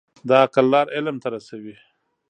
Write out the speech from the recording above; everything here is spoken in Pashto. د عقل لار علم ته رسوي.